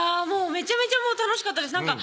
めちゃめちゃ楽しかったです